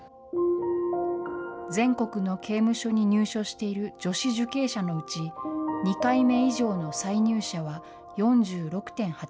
全国の刑務所に入所している女子受刑者のうち、２回目以上の再入者は４６．８％。